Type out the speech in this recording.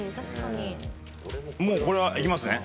もうこれはいきますね。